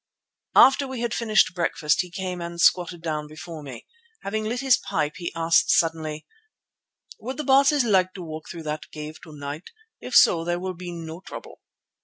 After we had finished breakfast he came and squatted down before me. Having lit his pipe he asked suddenly: "Would the Baases like to walk through that cave to night? If so, there will be no trouble."